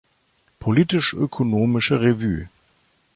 Politisch-ökonomische Revue.